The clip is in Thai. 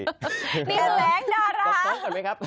แรงแรงดาวร้ำ